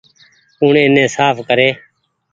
ڪوڻ ايني ساڦ ڪري ۔